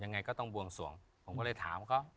ยังไงก็ต้องบวงสวงผมก็เลยถามเขา